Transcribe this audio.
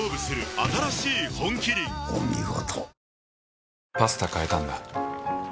お見事。